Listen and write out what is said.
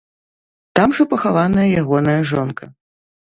Там жа пахаваная ягоная жонка.